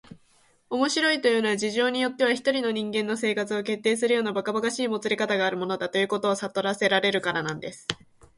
「面白いというのは、事情によっては一人の人間の生活を決定するようなばかばかしいもつれかたがあるものだ、ということをさとらせられるからなんです」